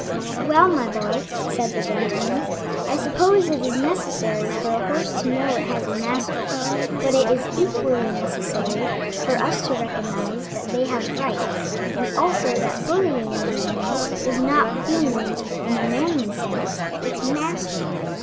"Well, my boy," said the gentleman, "I suppose it is necessary for a horse to know it has a master, but it is equally necessary for us to recognize that they have rights, and also that bullying an animal is not being, in a manly sense, its master.